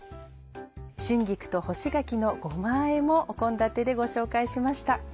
「春菊と干し柿のごまあえ」もお献立でご紹介しました。